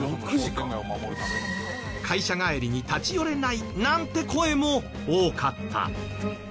会社帰りに立ち寄れないなんて声も多かった。